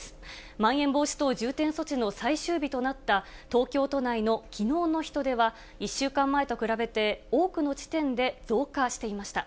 まん延防止等重点措置の最終日となった東京都内のきのうの人出は、１週間前と比べて多くの地点で増加していました。